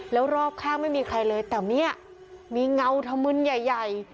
แล้วรอบข้างไม่มีใครเลยแต่เนี่ยมีเงาธมึนใหญ่